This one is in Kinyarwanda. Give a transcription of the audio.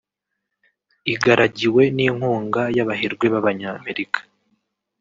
Igaragiwe n’inkunga y’abaherwe b’Abanyamerika